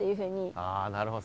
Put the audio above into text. ああなるほど。